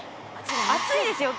暑いですよ。